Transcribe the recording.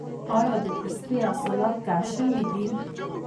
آیا د پستې حاصلات کم شوي دي؟